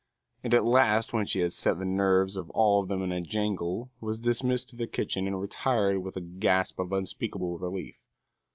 And at last when she had set the nerves of all of them in a jangle, was dismissed to the kitchen and retired with a gasp of unspeakable relief.